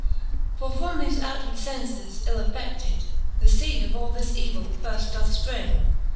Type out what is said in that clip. VIII. For from thofe outward fences ill affeded. The feede of all this evill firft doth fpring.